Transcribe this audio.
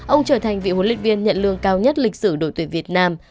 ông trở thành vị huấn luyện viên nhận lương cao nhất lịch sử đội tuyển việt nam